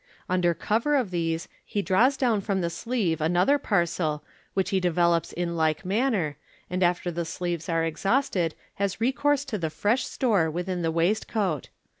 Under cover of these, he draws down from tht sleeve another parcel, which he develops in like manner, and after the sleeves are exhausted has recourse to the fresh store within the waist coat.